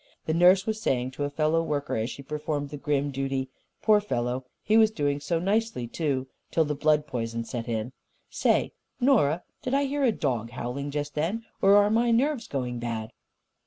The nurse was saying to a fellow worker, as she performed the grim duty: "Poor fellow! He was doing so nicely, too, till the blood poison set in.... Say, Nora, did I hear a dog howling, just then, or are my nerves going bad?")